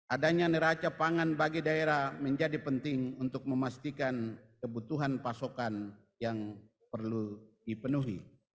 adanya neraca pangan bagi daerah menjadi penting untuk memastikan kebutuhan pasokan yang perlu dipenuhi